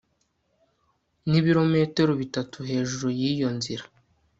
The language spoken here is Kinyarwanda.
Nibirometero bitatu hejuru yiyo nzira